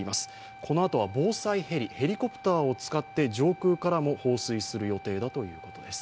このあとは防災ヘリ、ヘリコプターを使って上空からも放水する予定だということです。